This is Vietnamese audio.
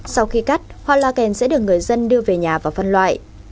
sau khi cắt hoa la kèn sẽ được người dân đưa về nhà và phân loại